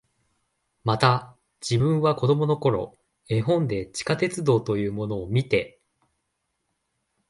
また、自分は子供の頃、絵本で地下鉄道というものを見て、